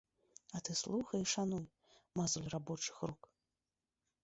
А ты слухай і шануй мазоль рабочых рук.